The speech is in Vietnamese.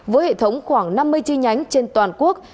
với hệ thống khoảng năm mươi chi nhánh trên toàn quốc